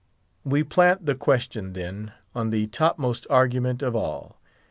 We plant the question, then, on the topmost argument of all.